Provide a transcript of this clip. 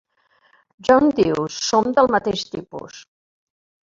John diu Som del mateix tipus.